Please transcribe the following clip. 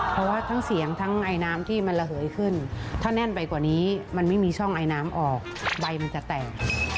เพราะว่าทั้งเสียงทั้งไอน้ำที่มันระเหยขึ้นถ้าแน่นไปกว่านี้มันไม่มีช่องไอน้ำออกใบมันจะแตก